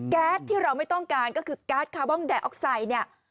แก๊สที่เราไม่ต้องการก็คือการ์ดคาร์บอนไดออกไซด์เนี่ย